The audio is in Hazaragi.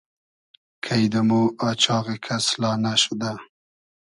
کݷ دۂ مۉ آچاغی کس لانۂ شودۂ